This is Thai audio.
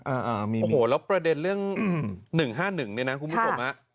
โอ้โหแล้วประเด็นเรื่อง๑๕๑เนี่ยนะคุณผู้จบมา